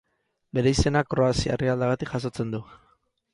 Bere izena Kroazia herrialdeagatik jasotzen du.